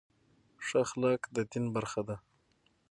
ښه اخلاق د دین برخه ده.